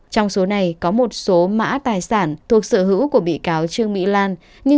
trong số này có một số mã tài sản thuộc sở hữu của bị cáo trương mỹ lan